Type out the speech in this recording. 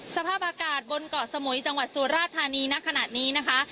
สภาพอากาศบนเกาะสมุยจังหวัดสุราธานีณขณะนี้นะคะ